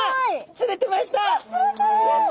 釣れてました！